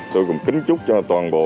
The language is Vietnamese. tôi cũng kính chúc cho toàn bộ